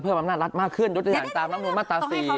เพื่อบำนาจรัฐมากขึ้นโดยจะอย่างตามน้ำนุนมาตรา๔